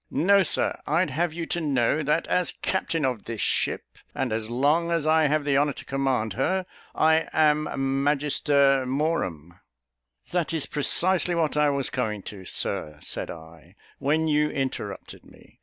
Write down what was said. No, Sir; I'd have you to know, that as captain of this ship, and as long as I have the honour to command her, I am magister morum." "That is precisely what I was coming to, Sir," said I, "when you interrupted me.